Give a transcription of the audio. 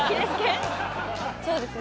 そうですね